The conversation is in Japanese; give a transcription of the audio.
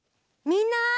みんな！